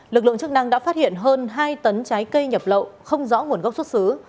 lực lượng chức năng đã phát hiện hơn hai tấn trái cây nhập lậu không rõ nguồn gốc xuất xứ